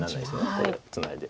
これをツナいで。